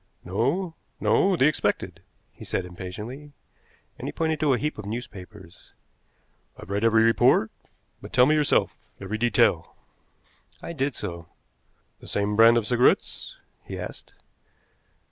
"No, no; the expected," he said impatiently, and he pointed to a heap of newspapers. "I've read every report, but tell me yourself every detail." I did so. "The same brand of cigarettes?" he asked.